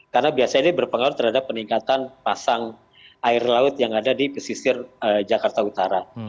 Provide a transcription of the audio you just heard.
karena biasanya ini berpengaruh terhadap peningkatan pasang air laut yang ada di pesisir jakarta utara